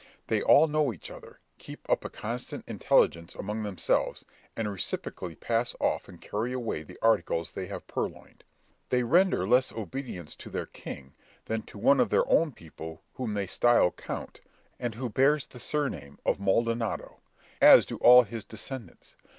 They all know each other, keep up a constant intelligence among themselves, and reciprocally pass off and carry away the articles they have purloined. They render less obedience to their king than to one of their own people whom they style count, and who bears the surname of Maldonado, as do all his descendants.